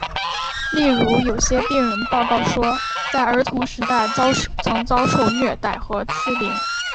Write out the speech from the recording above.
例如有些病人报告说在儿童时代曾遭受虐待和欺凌。